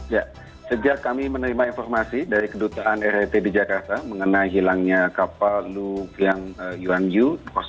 ya sejak kami menerima informasi dari kedutaan rit di jakarta mengenai hilangnya kapal lu kriang yuan yu dua puluh delapan